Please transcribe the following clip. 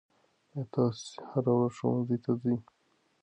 آیا تاسې هره ورځ ښوونځي ته ځئ؟